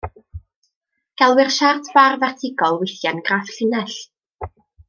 Gelwir siart bar fertigol weithiau'n graff llinell.